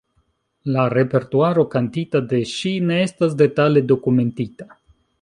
La repertuaro kantita de ŝi ne estas detale dokumentita.